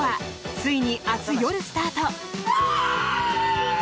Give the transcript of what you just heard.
ついに明日夜スタート。